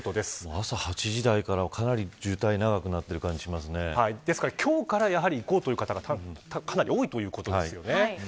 朝８時台からかなり渋滞ですから、今日から行こうという方が、かなり多いということですよね。